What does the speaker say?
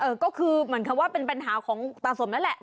ก็คือเหมือนกับว่าเป็นปัญหาของตาสมนั่นแหละ